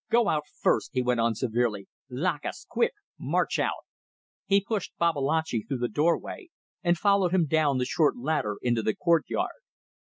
Go out first," he went on severely. "Lakas! quick. March out!" He pushed Babalatchi through the doorway and followed him down the short ladder into the courtyard.